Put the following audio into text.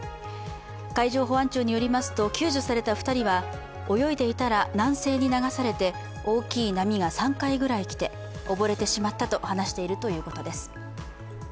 海上保安庁によりますと、救助された２人は泳いでいたら南西に流されて大きい波が３回くらい来て溺れてしまったと話しているということです。